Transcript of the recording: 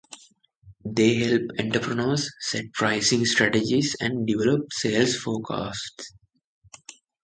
They help entrepreneurs set pricing strategies and develop sales forecasts.